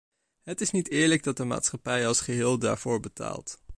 Het is niet eerlijk dat de maatschappij als geheel daarvoor betaalt.